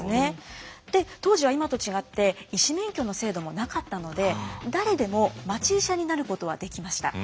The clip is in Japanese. で当時は今と違って医師免許の制度もなかったので誰でも町医者になることはできました。